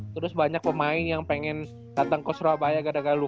terus banyak pemain yang pengen berusaha di indonesia gitu kan gitu ya maksudnya buat apa sih